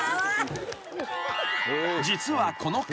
［実はこの方］